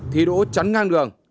thì đổ chắn ngang đường